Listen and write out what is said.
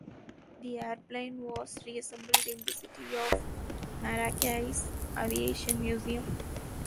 The airplane was re-assembled in the city of Maracay's aviation museum.